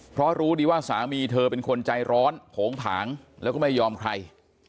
เพราะรู้ดีว่าสามีเธอเป็นคนใจร้อนโผงผางแล้วก็ไม่ยอมใคร